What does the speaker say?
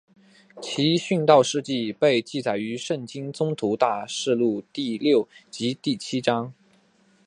其殉道事迹被记载于圣经宗徒大事录第六及第七章。